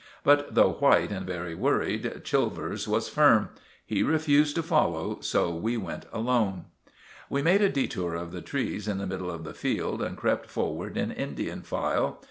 But though white and very worried, Chilvers was firm. He refused to follow, so we went alone. We made a detour of the trees in the middle of the field and crept forward in Indian file.